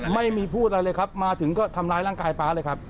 ไม่มีพูดอะไรเลยครับมาถึงก็ทำร้ายร่างกายป๊าเลยครับ